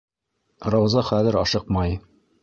Рауза хәҙер ашыҡмай.